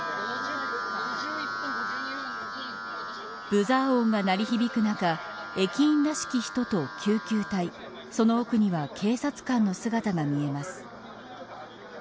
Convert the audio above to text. ブザー音が鳴り響く中駅員らしき人と救急隊その奥には警察官の姿が見えます